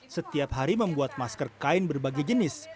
setiap hari membuat masker kain berbagai jenis